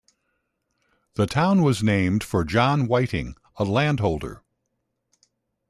The town was named for John Whiting, a landholder.